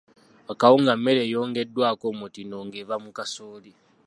Akawunga mmere eyongeddwako omutindo nga eva mu kasooli.